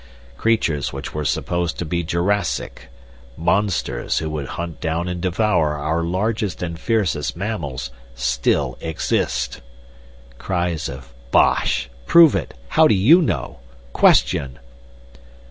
Creatures which were supposed to be Jurassic, monsters who would hunt down and devour our largest and fiercest mammals, still exist." (Cries of "Bosh!" "Prove it!" "How do YOU know?" "Question!")